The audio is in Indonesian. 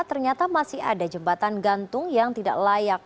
ternyata masih ada jembatan gantung yang tidak layak